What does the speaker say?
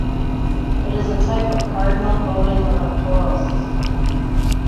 It is a type of Cardinal voting electoral system.